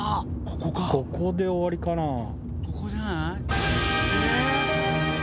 ここで終わりかな？